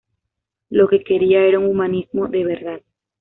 Lo que quería era un humanismo de verdad.